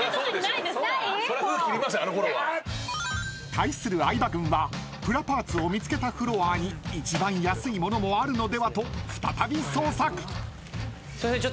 ［対する相葉軍はプラパーツを見つけたフロアに一番安いものもあるのではと再び捜索］